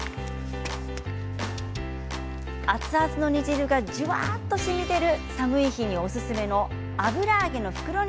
熱々の煮汁がじゅわっとしみ出る寒い日におすすめの油揚げの袋煮